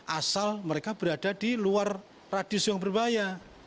asal mereka berada di luar radius yang berbahaya